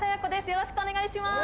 よろしくお願いします